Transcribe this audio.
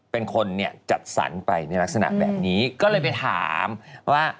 เป็นคนเนี่ยจัดสรรไปในลักษณะแบบนี้ก็เลยไปถามว่า